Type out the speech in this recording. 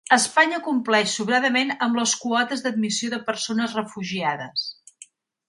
Espanya compleix sobradament amb les quotes d'admissió de persones refugiades